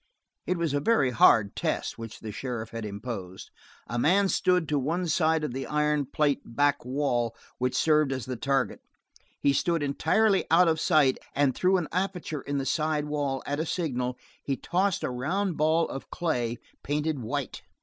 It was a very hard test which the sheriff had imposed. A man stood to one side of the iron plate back wall which served as the target. He stood entirely out of sight and through an aperture in the side wall, at a signal, he tossed a round ball of clay, painted white.